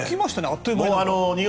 あっという間に。